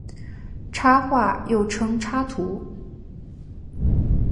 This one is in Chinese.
插画又称插图。